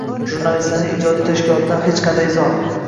Jurnalistlarning ijodiy tashkilotidan hech qanday izoh